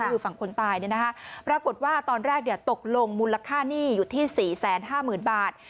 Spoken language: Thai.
คือฝั่งคนตายปรากฏว่าตอนแรกตกลงมูลค่าหนี้อยู่ที่๔๕๐๐๐บาท